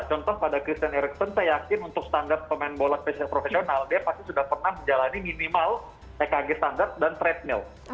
contoh pada christian erickson saya yakin untuk standar pemain bola spesial dia pasti sudah pernah menjalani minimal tkg standar dan trade mill